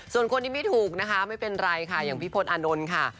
ส่วนคนที่ไม่ถูกนะคะไม่เป็นไรค่ะอย่างพี่พลตอานนท์ค่ะ